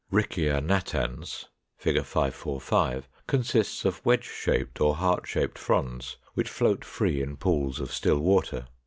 Riccia natans (Fig. 545) consists of wedge shaped or heart shaped fronds, which float free in pools of still water.